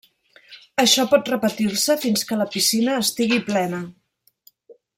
Això pot repetir-se fins que la piscina estigui plena.